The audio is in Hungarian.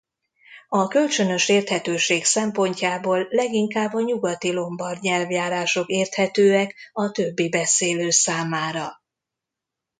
A kölcsönös érthetőség szempontjából leginkább a nyugati lombard nyelvjárások érthetőek a többi beszélő számára.